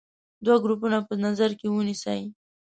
دوه ګروپونه په نظر کې ونیسئ.